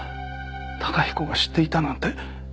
崇彦が知っていたなんて。